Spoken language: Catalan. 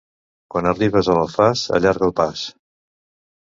Quan arribes a l'Alfàs, allarga el pas.